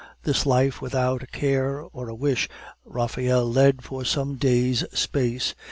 This life without a care or a wish Raphael led for some days' space.